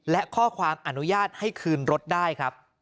และข้อความอนุญาตให้คืนรถได้ครับ